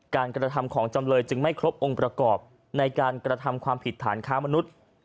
การกระทำของจำเลยจึงไม่ครบองค์ประกอบในการกระทำความผิดฐานค้ามนุษย์